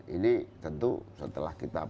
ini tentu setelah kita